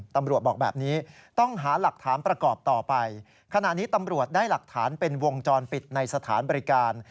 ตำรวจบอกแบบนี้ต้องหาหลักฐานประกอบต่อไปขณะนี้ตำรวจได้หลักฐานเป็นวงจรปิดในสถานบริการ